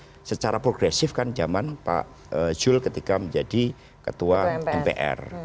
dan juga diproses secara progresif kan zaman pak jul ketika menjadi ketua mpr